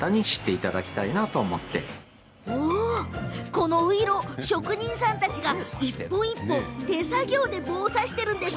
この、ういろう職人さんたちが一本一本手作業で棒を刺してるんです。